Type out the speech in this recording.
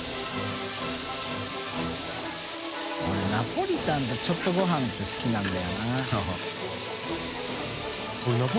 ナポリタンとちょっとごはんって好きなんだよな。